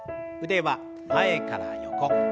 腕は前から横。